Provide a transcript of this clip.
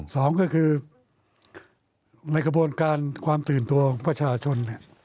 สองก็คือในกระบวนการความตื่นตัวของประชาชน